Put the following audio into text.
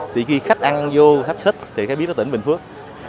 thì khi khách ăn vô thách thích thì phải biết là tỉnh bình phước